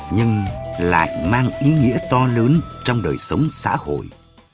nhưng lại mang ý nghĩa to lớn trong đời sống xã hội